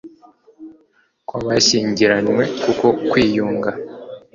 kwa bashyingiranywe kuko kwiyunga